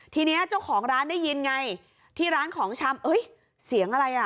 ทีนี้เจ้าของร้านได้ยินไงที่ร้านของชำเสียงอะไรอ่ะ